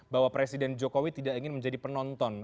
bahwa presiden jokowi tidak ingin menjadi penonton